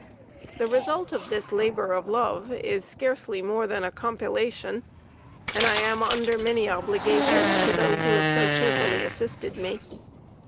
The result of this labor of love is scarcely more than a compilation, and I am under many obligations to those who have so cheerfully assisted me.